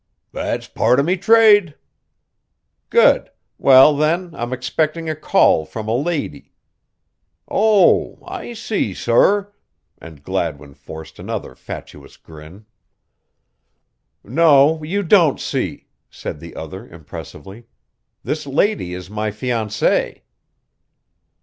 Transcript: "That's part o' me trade." "Good! Well, then, I'm expecting a call from a lady." "Oh, I see, sorr," and Gladwin forced another fatuous grin. "No, you don't see," said the other, impressively. "This lady is my fiancée."